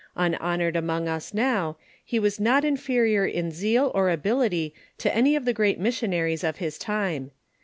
Unhonored among us now, he was not inferior in zeal or ability to any of the i^^at missionaries of his time.